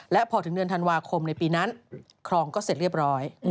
และพอถึงเดือนธันวาคมในปีนั้นครองก็เสร็จเรียบร้อย